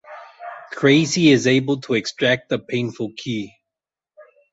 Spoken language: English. Krazy is able to extract the painful key.